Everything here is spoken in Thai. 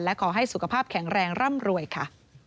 และขอให้สุขภาพแข็งแรงร่ำรวยค่ะ